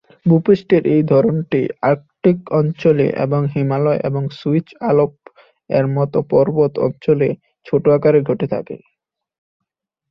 ভূ-পৃষ্ঠের এই ধরনটি আর্কটিক অঞ্চলে এবং হিমালয় এবং সুইস আল্পস এর মতো পার্বত্য অঞ্চলে ছোট আকারে ঘটে থাকে।